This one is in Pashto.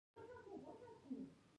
دوی د مسلکي قوانینو مطابق ژوند کوي.